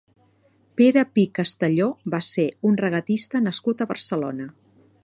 Pere Pi Castelló va ser un regatista nascut a Barcelona.